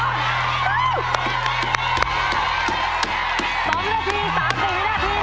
๒นาที๓๔วินาที